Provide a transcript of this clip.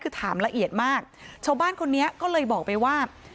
คือถามละเอียดมากชาวบ้านคนนี้ก็เลยบอกไปว่า